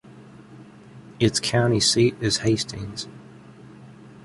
Its county seat is Hastings.